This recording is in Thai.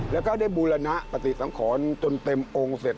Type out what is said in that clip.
แล้วก็ได้บูรณปฏิสังขรจนเต็มองค์เสร็จ